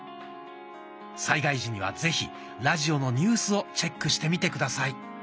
災害時にはぜひラジオのニュースをチェックしてみて下さい。